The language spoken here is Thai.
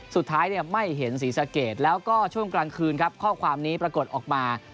สุดท้ายไม่เห็นศรีสะเกดแล้วก็ช่วงกลางคืนครับข้อความนี้ปรากฏออกมา